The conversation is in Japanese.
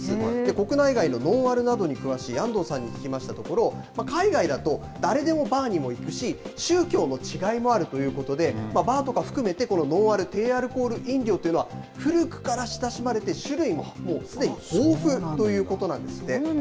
国内外のノンアルなどに詳しい安藤さんに聞きましたところ、海外だと誰でもバーにも行くし、宗教の違いもあるということで、バーとか含めて、このノンアル・低アルコール飲料というのは、古くから親しまれて、種類ももうすでに豊富ということなんですって。